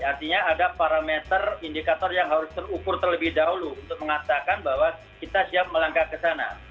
artinya ada parameter indikator yang harus terukur terlebih dahulu untuk mengatakan bahwa kita siap melangkah ke sana